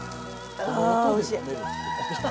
あおいしい！